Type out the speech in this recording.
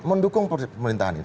mendukung pemerintahan ini